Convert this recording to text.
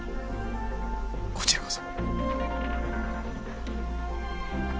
こちらこそ。